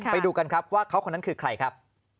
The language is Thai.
ไปดูกันครับว่าเขาคนนั้นคือใครครับ